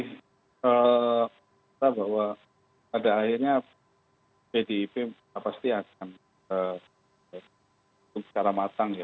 saya bahwa pada akhirnya bdip pasti akan berhubung secara matang ya